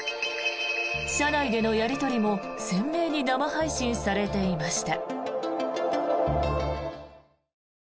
車内でのやり取りも鮮明に生配信されていました。